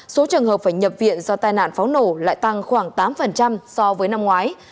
số trường hợp phải nhập viện do tai nạn pháo nổ lại tăng khoảng tám so với năm ngoái